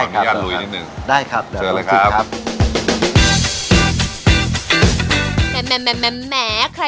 ก็จะทำได้ง่ายขึ้นเนอะ